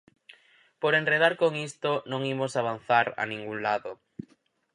Por enredar con isto non imos avanzar a ningún lado.